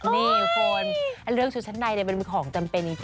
นี่คุณเรื่องชุดชั้นในมันมีความจำเป็นจริง